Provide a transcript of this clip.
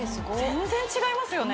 全然違いますよね